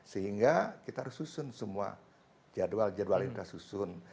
sehingga kita harus susun semua jadwal jadwal ini kita susun